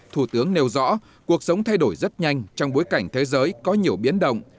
thủ tướng nêu rõ cuộc sống thay đổi rất nhanh trong bối cảnh thế giới có nhiều biến động